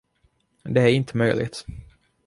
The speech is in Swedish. Det är inte möjligt.